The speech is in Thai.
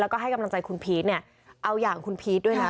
แล้วก็ให้กำลังใจคุณพีชเนี่ยเอาอย่างคุณพีชด้วยนะ